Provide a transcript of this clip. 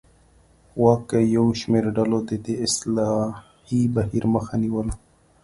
واک کې یو شمېر ډلو د دې اصلاحي بهیر مخه نیوله.